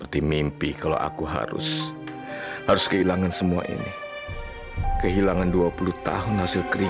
tapi gak boleh semena mena